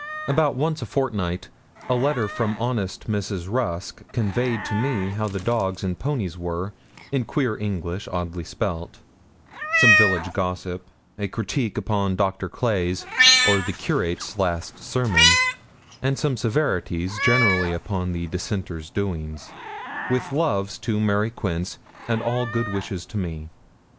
About once a fortnight a letter from honest Mrs. Rusk conveyed to me how the dogs and ponies were, in queer English, oddly spelt; some village gossip, a critique upon Doctor Clay's or the Curate's last sermon, and some severities generally upon the Dissenters' doings, with loves to Mary Quince, and all good wishes to me.